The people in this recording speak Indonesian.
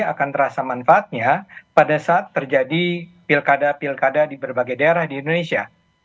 akan terasa manfaatnya pada saat terjadi pilkada pilkada di berbagai daerah di indonesia